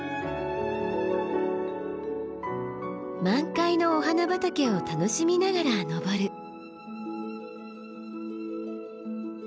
満開のお花畑を楽しみながら登る。